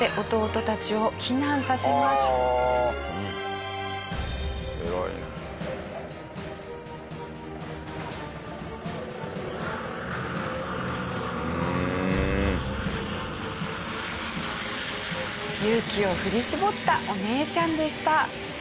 勇気を振り絞ったお姉ちゃんでした。